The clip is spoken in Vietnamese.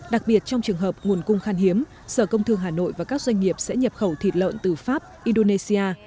đặc biệt trong trường hợp nguồn cung khan hiếm sở công thương hà nội và các doanh nghiệp sẽ nhập khẩu thịt lợn từ pháp indonesia